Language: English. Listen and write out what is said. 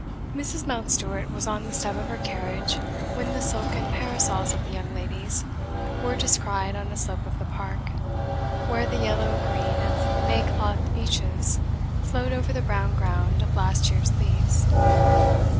Mrs. Mountstuart was on the step of her carriage when the silken parasols of the young ladies were descried on a slope of the park, where the yellow green of May clothed beeches flowed over the brown ground of last year's leaves.